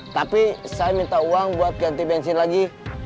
tapi saya minta uang buat ganti bensin lagi